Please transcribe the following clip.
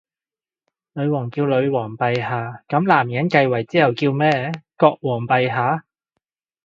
女王叫女皇陛下，噉男人繼位之後叫咩？國王陛下？